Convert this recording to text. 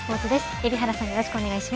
海老原さん